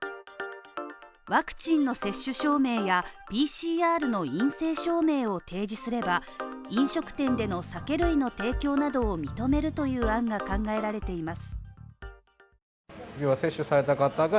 ワクチンの接種証明やＰＣＲの陰性証明を提示すれば飲食店での酒類の提供などを認めるという案が考えられています